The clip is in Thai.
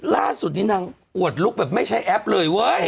ล่าสุดนี้นางอวดลุคแบบไม่ใช้แอปเลยเว้ย